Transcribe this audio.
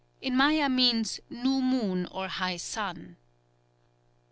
_ In Maya means "new moon or high sun."